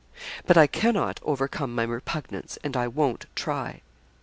But I cannot overcome my repugnance and I won't try.'